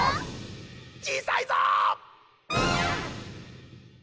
ちいさいぞー！